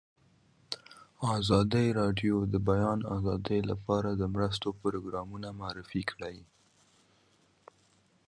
ازادي راډیو د د بیان آزادي لپاره د مرستو پروګرامونه معرفي کړي.